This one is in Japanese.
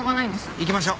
行きましょう。